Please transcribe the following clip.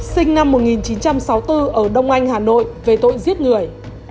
sinh năm một nghìn chín trăm sáu mươi bốn ở đông anh hà nội về tội giết người